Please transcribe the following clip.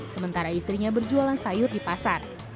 sementara istrinya berjualan sayur di pasar